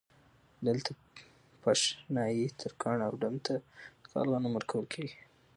دلته پش ، نايي ، ترکاڼ او ډم ته د کال غنم ورکول کېږي